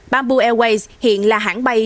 bamboo airways hiện là hãng bay